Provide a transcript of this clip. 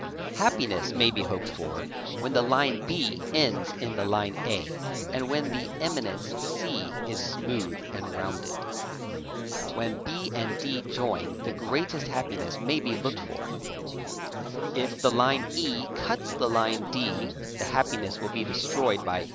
Happiness may be hoped for when the line B ends in the line A and when the emi nence C issmooth and rounded. When B and Big. 39. D join the greatest happiness may be lookec for. If the line EK cuts the line D the happiness will be destroyed by